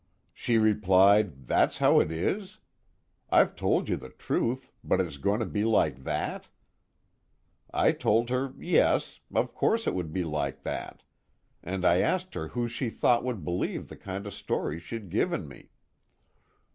"She replied: 'That's how it is? I've told you the truth, but it's going to be like that?' I told her yes, of course it would be like that, and I asked her who she thought would believe the kind of story she'd given me.